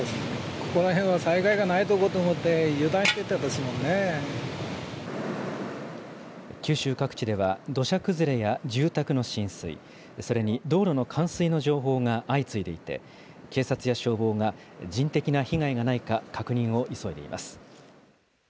ここら辺は災害がない所と思って、九州各地では土砂崩れや住宅の浸水、それに道路の冠水の情報が相次いでいて、警察や消防が人的な被害がないか、確認を急いでいます。